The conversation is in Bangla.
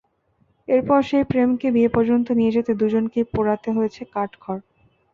এরপর সেই প্রেমকে বিয়ে পর্যন্ত নিয়ে যেতে দুজনকেই পোড়াতে হয়েছে কাঠখড়।